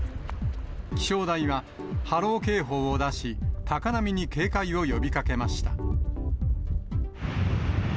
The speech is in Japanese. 気象台は波浪警報を出し、高波に警戒を呼びかけました。